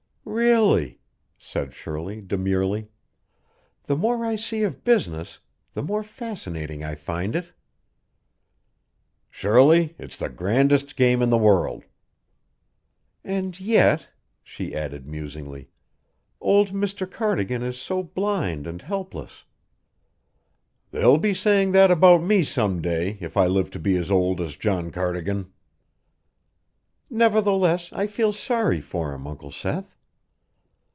"Really," said Shirley, demurely, "the more I see of business, the more fascinating I find it." "Shirley, it's the grandest game in the world." "And yet," she added musingly, "old Mr. Cardigan is so blind and helpless." "They'll be saying that about me some day if I live to be as old as John Cardigan." "Nevertheless, I feel sorry for him, Uncle Seth."